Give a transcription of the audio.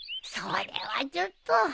それはちょっと。